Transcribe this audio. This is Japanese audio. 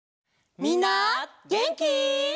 みんなげんき！